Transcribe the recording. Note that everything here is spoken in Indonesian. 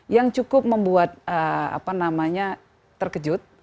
yang cukup membuat apa namanya terkejut